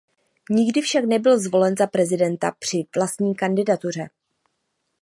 Nikdy však nebyl zvolen za prezidenta při vlastní kandidatuře.